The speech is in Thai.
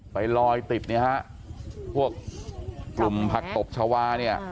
ไปลอยติดเนี่ยฮะพวกกลุ่มผักตบชาวาเนี่ย